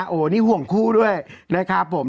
โอ้โหนี่ห่วงคู่ด้วยนะครับผม